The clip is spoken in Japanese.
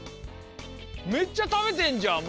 めっちゃ食べてんじゃん！